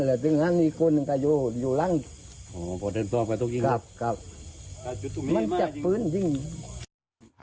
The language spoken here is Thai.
หนึ่งก็ตึงพี่ทางชริงจัดปืนจริงใช่ไหมใช่